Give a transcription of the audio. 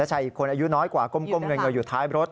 ชายอีกคนอายุน้อยกว่าก้มเงยอยู่ท้ายรถ